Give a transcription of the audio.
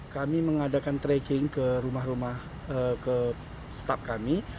kami mengadakan tracking ke rumah rumah ke staff kami